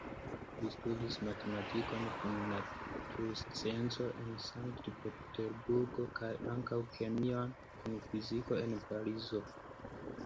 Li studis matematikon kun naturscienco en Sankt-Peterburgo, kaj ankaŭ kemion kun fiziko en Parizo.